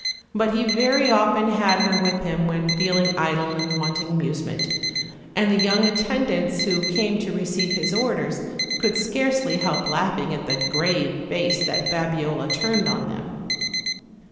But he very often had her with him when feeling idle and wanting amusement, and the young attendants who came to receive his orders could scarcely help laughing at the grave face that Babiola turned on them.